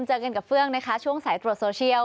เจอกันกับเฟื่องนะคะช่วงสายตรวจโซเชียล